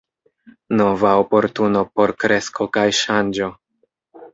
Nova oportuno por kresko kaj ŝanĝo.